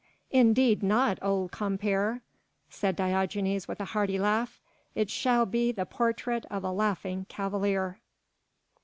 "Indeed not, old compeer," said Diogenes with a hearty laugh, "it shall be the portrait of a Laughing Cavalier."